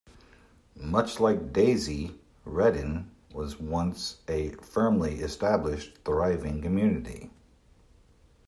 Much like Daisy, Redden was once a firmly established, thriving community.